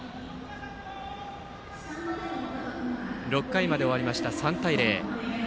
６回まで終わりまして３対０。